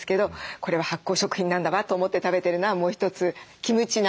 「これは発酵食品なんだわ」と思って食べてるのはもう一つキムチ納豆ですね。